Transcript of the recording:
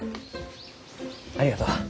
ありがとう。